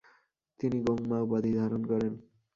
তিনি গোং-মা উপাধি ধারণ করেন।